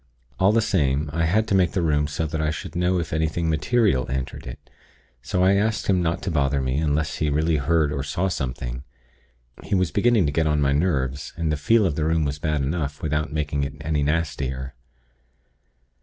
All the same, I had to make the room so that I should know if anything material entered it; so I asked him not to bother me, unless he really heard or saw something. He was beginning to get on my nerves, and the 'feel' of the room was bad enough, without making it any nastier.